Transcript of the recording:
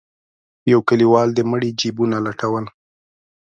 يو کليوال د مړي جيبونه لټول.